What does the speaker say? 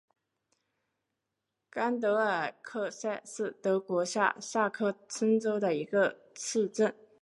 甘德尔克塞是德国下萨克森州的一个市镇。